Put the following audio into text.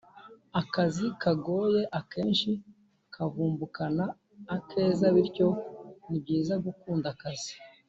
akazi kagoye akenshi kavumbukana akeza bityo ni byiza gukunda akazi